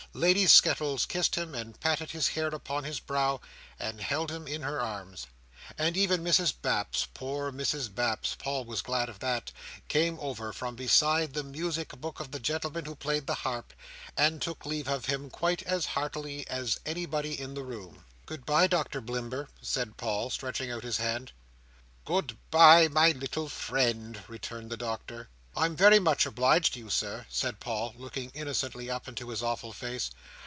Lady Skettles kissed him, and patted his hair upon his brow, and held him in her arms; and even Mrs Baps—poor Mrs Baps! Paul was glad of that—came over from beside the music book of the gentleman who played the harp, and took leave of him quite as heartily as anybody in the room. "Good bye, Doctor Blimber," said Paul, stretching out his hand. "Good bye, my little friend," returned the Doctor. "I'm very much obliged to you, Sir," said Paul, looking innocently up into his awful face.